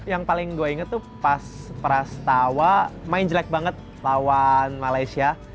yang paling gue inget tuh pas prastawa main jelek banget lawan malaysia